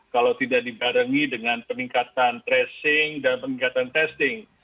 kalau tidak dibarengi dengan peningkatan tracing dan peningkatan testing